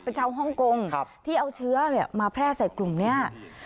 เป็นชาวฮ่องกงที่เอาเชื้อมาแพร่ใส่กลุ่มนี้